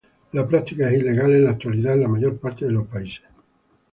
La práctica es ilegal en la actualidad en la mayor parte de los países.